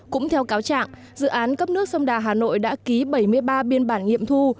cũng theo cáo trạng dự án cấp nước sông đà hà nội đã ký bảy mươi ba biên bản nghiệm thu